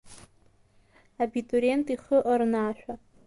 Абитуриент ихы ырнаашәа.